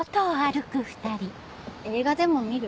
映画でも見る？